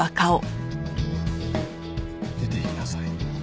出ていきなさい。